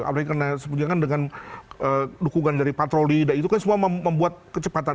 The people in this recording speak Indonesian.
apalagi karena sebetulnya kan dengan dukungan dari patroli dan itu kan semua membuat kecepatan